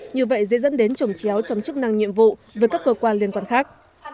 như vậy dễ dẫn đến trồng chéo trong chức năng nhiệm vụ với các cơ quan liên quan khác